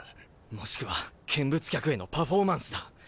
もしくは見物客へのパフォーマンスだ。